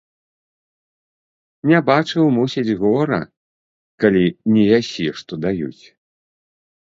Не бачыў, мусіць, гора, калі не ясі, што даюць.